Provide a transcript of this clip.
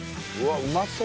うまそう。